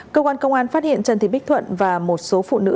cơ quan công an phát hiện trần thị bích thuận và một số phụ nữ